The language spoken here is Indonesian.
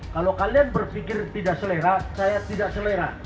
kalau kalian berpikir tidak selera saya tidak selera